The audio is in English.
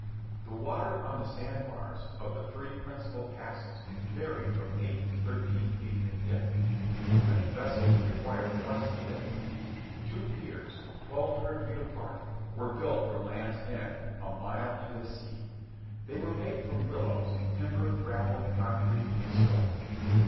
The water on the sand bars of the three principal passes varied from eight to thirteen feet in depth. Many vessels require twice the depth. Two piers, twelve hundred feet apart, were built from land's end, a mile into the sea. They were made from willows, timber, gravel, concrete, and stone.